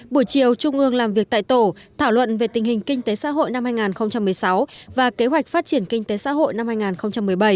buổi chiều trung ương làm việc tại tổ thảo luận về tình hình kinh tế xã hội năm hai nghìn một mươi sáu và kế hoạch phát triển kinh tế xã hội năm hai nghìn một mươi bảy